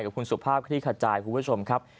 กับคุณสุภาพพิทธิ์คัตยายคุณผู้ชมครับ